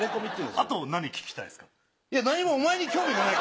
あと何聞きたいですか？